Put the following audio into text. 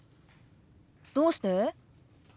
どうして？